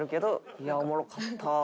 いやおもろかった。